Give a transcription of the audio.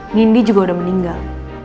nindi juga udah meninggal